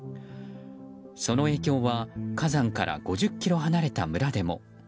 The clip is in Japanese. その影響は火山から５０ｋｍ離れた村でも。